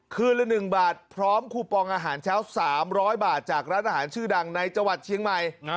คืนละ๑บาทพร้อมคูปองอาหารเช้า๓๐๐บาทจากร้านอาหารชื่อดังในจังหวัดเชียงใหม่